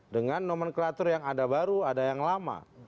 dengan nomenklatur yang ada baru ada yang lama